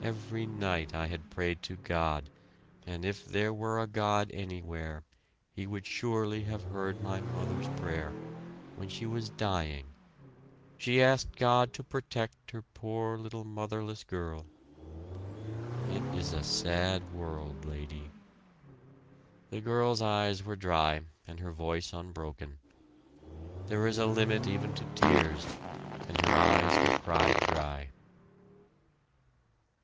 Every night I had prayed to God, and if there were a God anywhere, He would surely have heard my mother's prayer when she was dying she asked God to protect her poor little motherless girl. It is a sad world, Lady." The girl's eyes were dry and her voice unbroken. There is a limit even to tears and her eyes were cried dry.